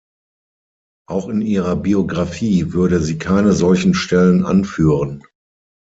Auch in ihrer Biografie würde sie keine solchen Stellen anführen.